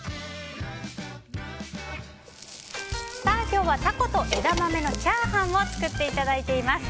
今日はタコと枝豆のチャーハン作っていただいています。